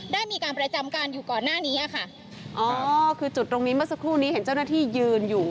ได้มีการประจำการอยู่ก่อนหน้านี้อ่ะค่ะอ๋อคือจุดตรงนี้เมื่อสักครู่นี้เห็นเจ้าหน้าที่ยืนอยู่